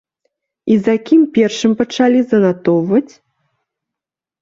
І за кім першым пачалі занатоўваць?